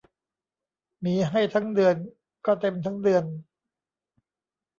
มีให้ทั้งเดือนก็เต็มทั้งเดือน